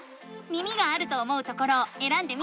耳があると思うところをえらんでみて。